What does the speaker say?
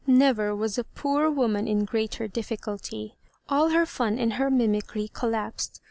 Never was a poor woman in a greater difficulty. All her fun and her mimicry collapsed.